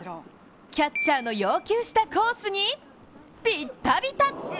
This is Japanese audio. キャッチャーの要求したコースにビッタビタ！